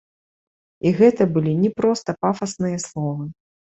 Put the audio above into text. І гэта былі не проста пафасныя словы.